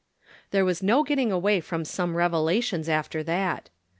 There was no getting away from some revelations after that.